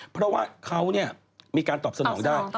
เพราะว่าเขามีการตอบสนองได้